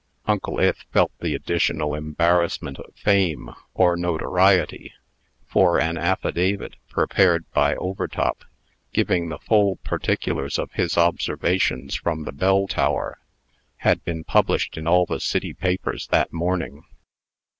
Uncle Ith felt the additional embarrassment of fame, or notoriety; for an affidavit, prepared by Overtop, giving the full particulars of his observations from the bell tower, had been published in all the city papers that morning.